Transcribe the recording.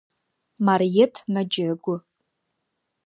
Марыет мэджэгу.